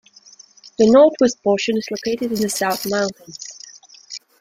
The northwest portion is located in the South Mountains.